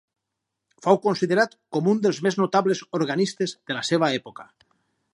Fou considerat com un dels més notables organistes de la seva època.